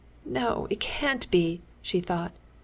No, it cannot be!" she thought.